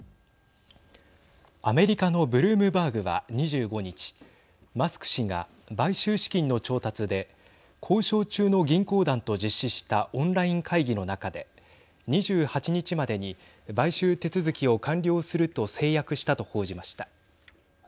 アメリカのブルームバーグは２５日マスク氏が買収資金の調達で交渉中の銀行団と実施したオンライン会議の中で２８日までに買収手続きを完了すると誓約したと報じました。